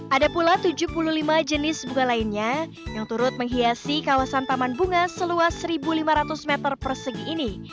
ada pula tujuh puluh lima jenis bunga lainnya yang turut menghiasi kawasan taman bunga seluas satu lima ratus meter persegi ini